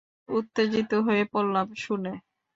উত্তেজিত হয়ে পড়লাম শুনে!